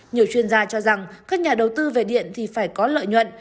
nhiều chuyên gia cho rằng các nhà đầu tư về điện thì phải có lợi nhuận